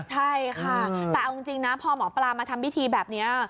ใช่ค่ะแต่เอาจริงนะพอหมอปลามาทำพิธีแบบนี้